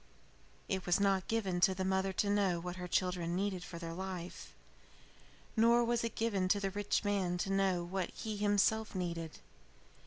"It was not given to the mother to know what her children needed for their life. Nor was it given to the rich man to know what he himself needed.